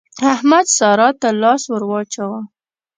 احمد سارا ته لاس ور واچاوو.